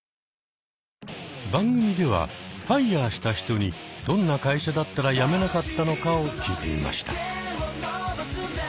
番組ではＦＩＲＥした人にどんな会社だったら辞めなかったのかを聞いてみました。